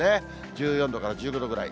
１４度から１５度ぐらい。